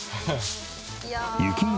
雪国